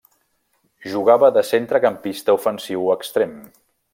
Jugava de centrecampista ofensiu o extrem.